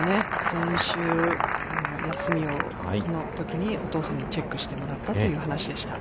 先週、休みのときにお父さんにチェックしてもらったという話でした。